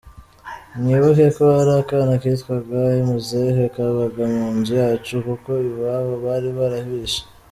Mwibuke ko hari akana kitwaga Muzehe kabaga mu nzu yacu kuko iwabo bari barabishe.